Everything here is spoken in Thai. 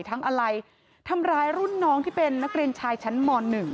อะไรทำร้ายรุ่นน้องที่เป็นนักเรียนชายชั้นม๑